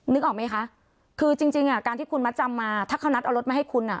นึกออกไหมคะคือจริงจริงอ่ะการที่คุณมัดจำมาถ้าเขานัดเอารถมาให้คุณอ่ะ